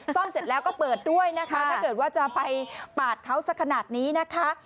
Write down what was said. ซ่อมเสร็จแล้วก็เปิดด้วยนะคะถ้าเกิดว่าจะไปปาดเขาสักขนาดนี้นะคะ